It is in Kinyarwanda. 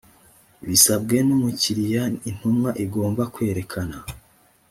bisabwe n umukiriya intumwa igomba kwerekana